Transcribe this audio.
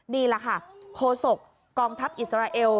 นี่แหละค่ะโคศกกองทัพอิสราเอล